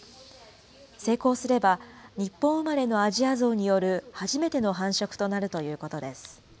成功すれば、日本生まれのアジアゾウによる初めての繁殖となるということです。